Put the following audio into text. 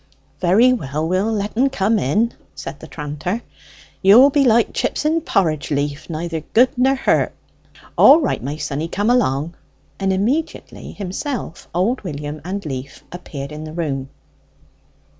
"Very well; we'll let en come in," said the tranter. "You'll be like chips in porridge, Leaf neither good nor hurt. All right, my sonny, come along;" and immediately himself, old William, and Leaf appeared in the room.